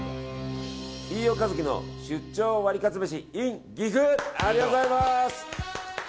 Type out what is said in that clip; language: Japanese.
飯尾和樹の出張ワリカツめしｉｎ岐阜、ありがとうございます。